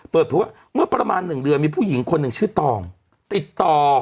เปิดเผยว่าเมื่อประมาณ๑เดือนมีผู้หญิงคนหนึ่งชื่อตองติดต่อ